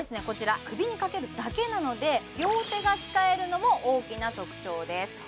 こちら首にかけるだけなので両手が使えるのも大きな特長です